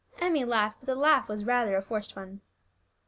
"'" Emmie laughed, but the laugh was rather a forced one.